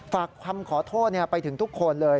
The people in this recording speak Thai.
ฝากคำขอโทษไปถึงทุกคนเลย